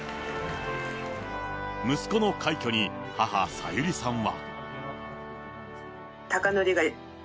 息子の快挙に、母、小由利さんは。